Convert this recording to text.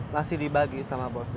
masih dibagi sama bos